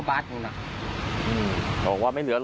บอกว่าไม่เหลือรอ